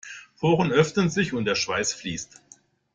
Die Poren öffnen sich und der Schweiß fließt.